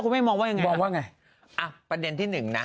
คุณแม่มองว่าอย่างไรอ่ะประเด็นที่หนึ่งนะ